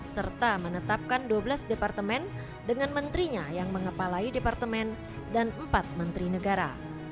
serta menetapkan dua belas departemen dengan menterinya yang mengepalai departemen dan empat menteri negara